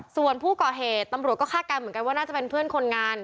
ส่วนผู้ก่อเหตุตำรวจก็คาดการณ์เหมือนกันว่าน่าจะเป็นเพื่อนคนงาน